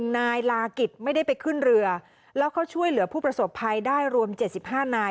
นายลากิจไม่ได้ไปขึ้นเรือแล้วเขาช่วยเหลือผู้ประสบภัยได้รวม๗๕นาย